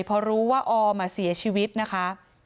พอรู้ว่าออมเสียชีวิตนะคะ